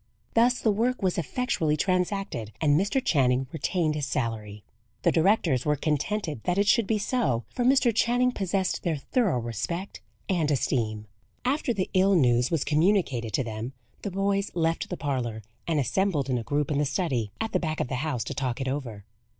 Thus the work was effectually transacted, and Mr. Channing retained his salary. The directors were contented that it should be so, for Mr. Channing possessed their thorough respect and esteem. After the ill news was communicated to them, the boys left the parlour, and assembled in a group in the study, at the back of the house, to talk it over.